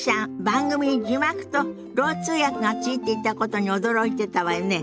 番組に字幕とろう通訳がついていたことに驚いてたわよね。